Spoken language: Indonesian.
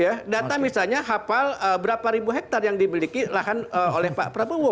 ya data misalnya hafal berapa ribu hektar yang di beliki lahan oleh pak prabowo